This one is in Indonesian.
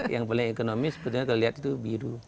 kalau yang paling ekonomis kalau lihat itu biru